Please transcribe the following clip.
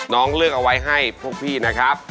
เลือกเอาไว้ให้พวกพี่นะครับ